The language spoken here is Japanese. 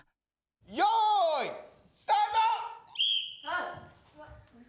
よいスタート！